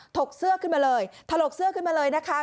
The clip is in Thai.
กเสื้อขึ้นมาเลยถลกเสื้อขึ้นมาเลยนะคะ